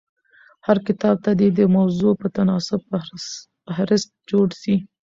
هر کتاب ته دي د موضوع په تناسب فهرست جوړ سي.